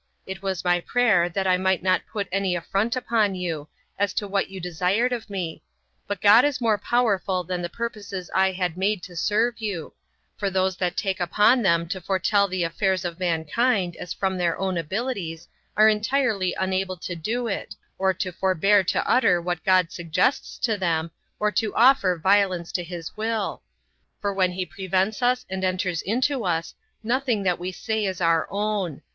It was my prayer, that I might not put any affront upon you, as to what you desired of me; but God is more powerful than the purposes I had made to serve you; for those that take upon them to foretell the affairs of mankind, as from their own abilities, are entirely unable to do it, or to forbear to utter what God suggests to them, or to offer violence to his will; for when he prevents us and enters into us, nothing that we say is our own.